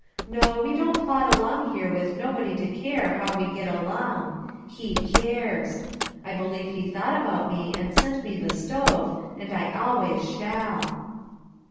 No, we don't plod along here with nobody to care how we get along. He cares. I believe he thought about me and sent me the stove, and I always shall."